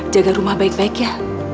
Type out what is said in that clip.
jaga rumah baik baik ya